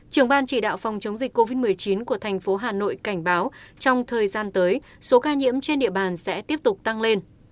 trưởng ban chỉ đạo phòng chống dịch covid một mươi chín của thành phố hà nội cảnh báo trong thời gian tới số ca nhiễm trên địa bàn sẽ tiếp tục tăng lên